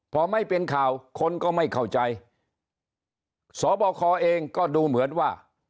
พอไม่เป็นข่าวคนก็ไม่เข้าใจสบคเองก็ดูเหมือนว่า